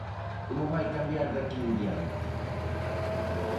Como vai cambiar de aquí en diante?